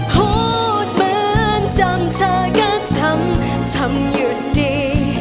พูดเหมือนจำเธอก็ทำทำหยุดดี